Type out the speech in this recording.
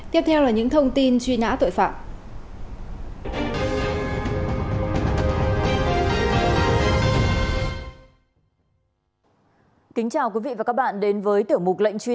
tiếp theo là những thông tin truy nã tội phạm